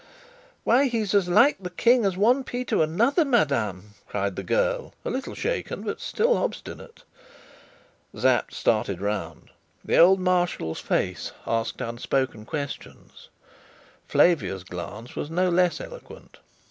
"Why, he's as like the King as one pea to another, madame!" cried the girl, a little shaken but still obstinate. Sapt started round. The old Marshal's face asked unspoken questions. Flavia's glance was no less eloquent.